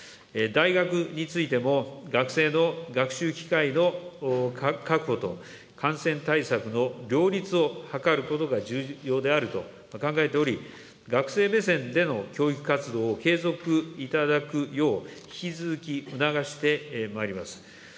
大学についても、学生の学習機会の確保と、感染対策の両立を図ることが重要であると考えており、学生目線での教育活動を継続いただくよう、引き続き促してまいります。